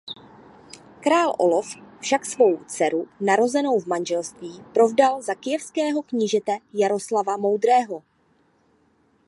Král Olof však svou dceru narozenou v manželství provdal za kyjevského knížete Jaroslava Moudrého.